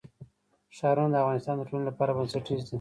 ښارونه د افغانستان د ټولنې لپاره بنسټیز دي.